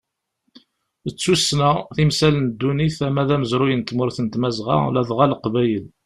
D tussna, timsal n ddunit ama d amezruy n tmurt n tmazɣa ladɣa leqbayel.